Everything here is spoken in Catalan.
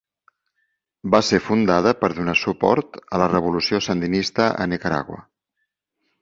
Va ser fundada per donar suport a la revolució sandinista a Nicaragua.